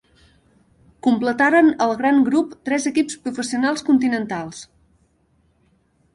Completaren el gran grup tres equips professionals continentals.